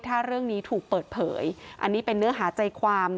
ถ้าเรื่องนี้ถูกเปิดเผยอันนี้เป็นเนื้อหาใจความ